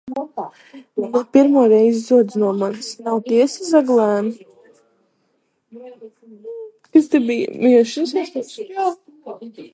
Ne pirmo reizi zodz no manis, nav tiesa zaglēn?